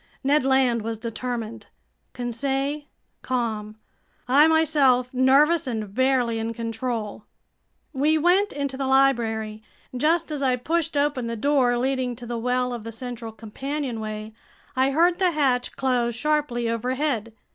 Ned Land was determined, Conseil calm, I myself nervous and barely in control. We went into the library. Just as I pushed open the door leading to the well of the central companionway, I heard the hatch close sharply overhead.